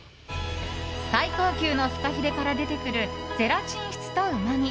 最高級のフカヒレから出てくるゼラチン質とうまみ